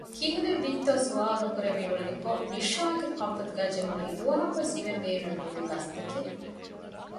ކިހިނެތްވީތޯ ސުވާލު ނުކުރެވި އުޅެނިކޮށް ނިޝާގެ ކަންފަތުގައި ޖެހުނީ ދުވަހަކުވެސް އިވެން ބޭނުން ނުވި ބަސްތަކެއް